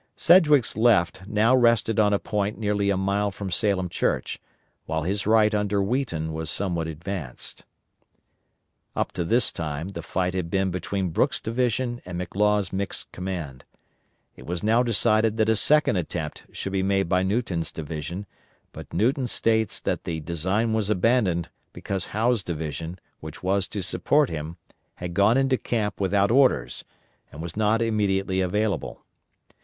Sedgwick's left now rested on a point nearly a mile from Salem Church, while his right under Wheaton was somewhat advanced. Up to this time the fight had been between Brooks' division and McLaws' mixed command. It was now decided that a second attempt should be made by Newton's division, but Newton states that the design was abandoned because Howe's division, which was to support him, had gone into camp without orders, and was not immediately available.